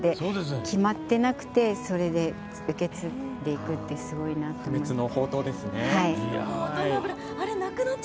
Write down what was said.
決まってなくてそれで受け継いでいくってすごいなって思いました。